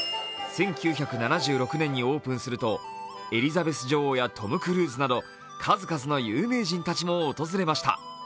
１９７６年にオープンすると、エリザベス女王やトム・クルーズなど数々の有名人たちも訪れました。